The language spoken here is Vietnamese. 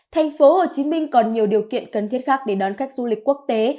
thành phố hồ chí minh còn nhiều điều kiện cần thiết khác để đón khách du lịch quốc tế